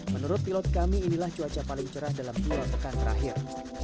menurut pilot kami inilah cuaca paling cerah dalam dua pekan terakhir